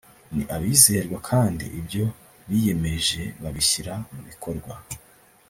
ni abizerwa kandi ibyo biyemeje babishyira mu bikorwa